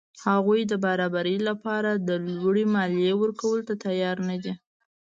هغوی د برابرۍ له پاره د لوړې مالیې ورکولو ته تیار نه دي.